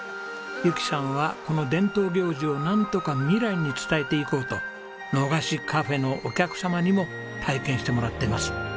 由紀さんはこの伝統行事をなんとか未来に伝えていこうとの菓子Ｃａｆｅのお客様にも体験してもらってます。